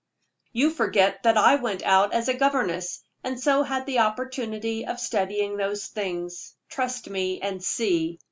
"You forget that I went out as governess, and so had the opportunity of studying those things. Trust me and see.